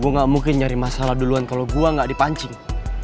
gue gak mungkin nyari masalah duluan kalau gue gak dipancing